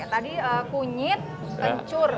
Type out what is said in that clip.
tadi kunyit kencur